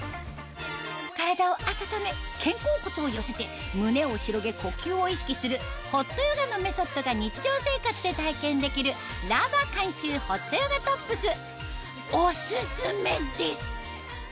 体を暖め肩甲骨を寄せて胸を広げ呼吸を意識するホットヨガのメソッドが日常生活で体験できるＬＡＶＡ監修ホットヨガトップスお薦めです！